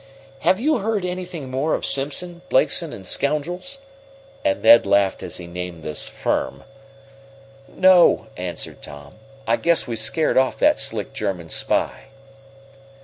Have you heard anything more of Simpson, Blakeson and Scoundrels?" And Ned laughed as he named this "firm." "No," answered Tom. "I guess we scared off that slick German spy."